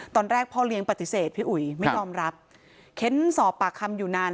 ตอนแรกพ่อเลี้ยงปฏิเสธพี่อุ๋ยไม่ยอมรับเค้นสอบปากคำอยู่นาน